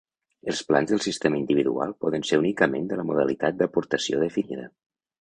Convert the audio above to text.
Els plans del sistema individual poden ser únicament de la modalitat d'aportació definida.